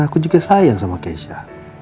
aku juga sayang sama keisha